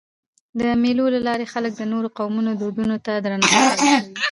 د مېلو له لاري خلک د نورو قومونو دودونو ته درناوی پیدا کوي.